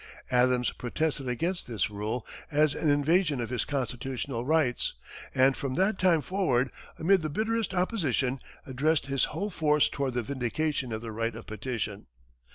Adams protested against this rule as an invasion of his constitutional rights, and from that time forward, amid the bitterest opposition, addressed his whole force toward the vindication of the right of petition.